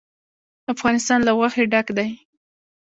افغانستان له غوښې ډک دی.